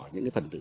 những cái phần tử